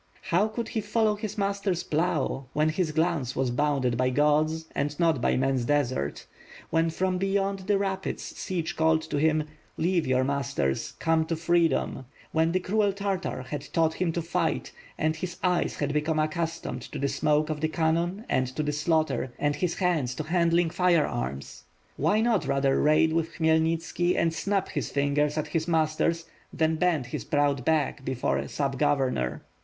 How could he follbw his master's plow, when his glance was bounded by God's, and not by man's, desert; when, from beyond the rapids, Sich called to him, "leave your masters, come to free dom;" when the cruel Tartar had taught him to fight, and his eyes had become accustomed to the smoke of the cannon and to slaughter, and his ha^ds to handling firearms? Why not rather raid with Khmyelnitski and snap his fingers at his masters, than bend his proud back before a sub governor.